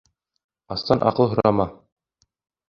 Астан аҡыл һорама.